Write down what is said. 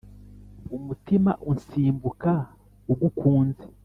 Umutima unsimbuka ugukunze.